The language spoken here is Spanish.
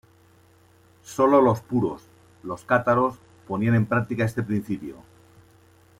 Sólo los puros, los cátaros, ponían en práctica este principio.